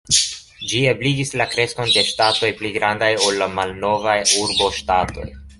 Ĝi ebligis la kreskon de ŝtatoj pli grandaj ol la malnovaj urboŝtatoj.